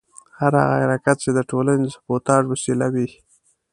هر هغه حرکت چې د ټولنې د سبوټاژ وسیله وي.